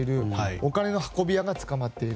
お金の運び屋が捕まっている。